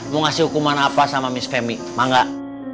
mau ngasih hukuman apa sama miss femi mau gak